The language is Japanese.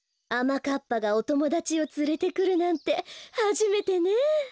あまかっぱがおともだちをつれてくるなんてはじめてね。